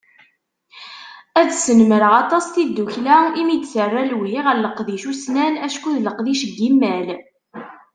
Ad snemreɣ aṭas tiddukkla imi i d-terra lewhi ɣer leqdic ussnan acku d leqdic n yimal.